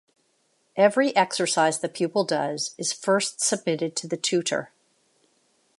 Every exercise the pupil does is first submitted to the tutor.